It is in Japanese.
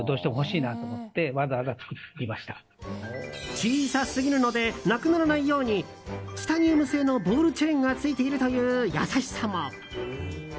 小さすぎるのでなくならないようにチタニウム製のボールチェーンがついているという優しさも。